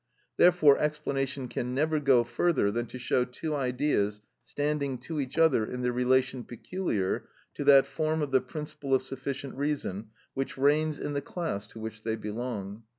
Therefore explanation can never go further than to show two ideas standing to each other in the relation peculiar to that form of the principle of sufficient reason which reigns in the class to which they belong.